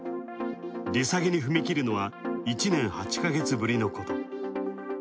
利下げに踏み切るのは１年８か月ぶりのこと。